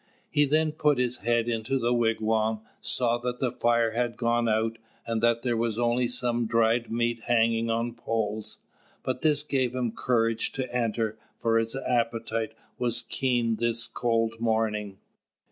He then put his head into the wigwam, saw that the fire had gone out, and that there was only some dried meat hanging on poles; but this gave him courage to enter, for his appetite was keen this cold morning.